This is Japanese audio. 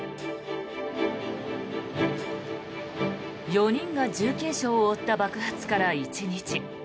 ４人が重軽傷を負った爆発から１日。